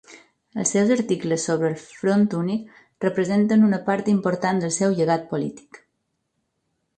Els seus articles sobre el front únic representen una part important del seu llegat polític.